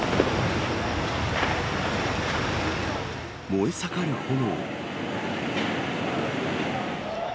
燃え盛る炎。